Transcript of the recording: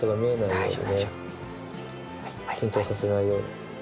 緊張させないように。